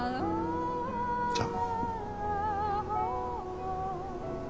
じゃあ。